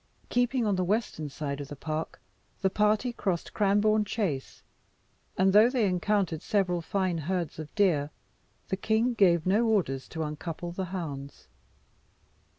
Keeping on the western side of the park, the party crossed Cranbourne chase; but though they encountered several fine herds of deer, the king gave no orders to uncouple the hounds.